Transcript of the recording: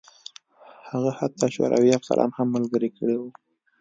هغه حتی شوروي افسران هم ملګري کړي وو